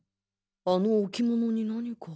あの置物に何か